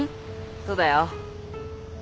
そうだよ。